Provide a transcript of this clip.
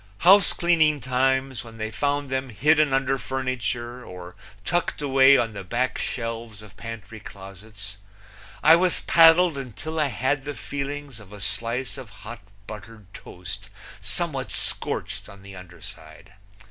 Housecleaning times, when they found them hidden under furniture or tucked away on the back shelves of pantry closets, I was paddled until I had the feelings of a slice of hot, buttered toast somewhat scorched on the under side.